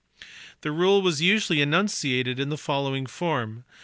The rule was usually enunciated in the following form.